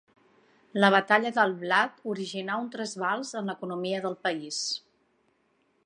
La batalla del blat originà un trasbals en l'economia del país.